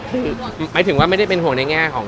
หมายถึงว่าไม่ได้เป็นห่วงในแง่เหมือ